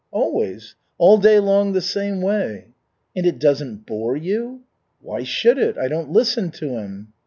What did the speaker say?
"Always, all day long the same way." "And it doesn't bore you?" "Why should it? I don't listen to him."